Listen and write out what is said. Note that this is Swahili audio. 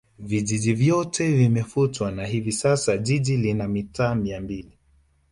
Vijiji vyote vimefutwa na hivi sasa Jiji lina mitaa Mia mbili